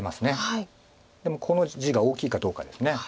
でもこの地が大きいかどうかです。